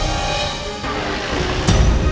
kita harus melakukan ini